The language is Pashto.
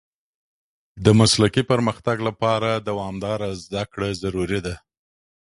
د مسلکي پرمختګ لپاره دوامداره زده کړه ضروري ده.